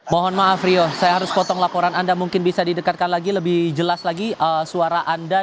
mohon maaf rio saya harus potong laporan anda mungkin bisa didekatkan lagi lebih jelas lagi suara anda